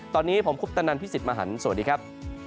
ตอนนี้ผมคุปตนันพี่สิทธิมหันฯสวัสดีครับ